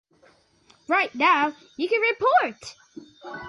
The Court affirmed the Court of Appeal's granting of the writ.